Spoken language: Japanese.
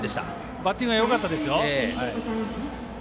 バッティングよかったですよ。